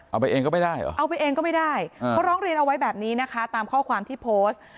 เอาไปเองก็ไม่ได้เหรอเอาไปเองก็ไม่ได้เขาร้องเรียนเอาไว้แบบนี้นะคะตามข้อความที่โพสต์